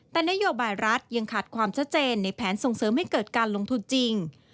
แต่นโยบายรัฐยังขาดความชัดเจนในแผนส่งเสริมให้เกิดการลงทุนจริง